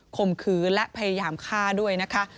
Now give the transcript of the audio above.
ข่มขืนและพยายามฆ่าด้วยนะคะ